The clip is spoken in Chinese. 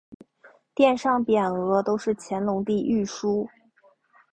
殿上匾额都是乾隆帝御书。